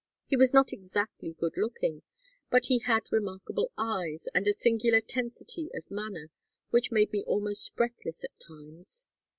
He was not exactly good looking, but he had remarkable eyes and a singular tensity of manner, which made me almost breathless at times.